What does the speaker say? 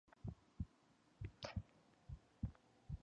Everything made me a fan.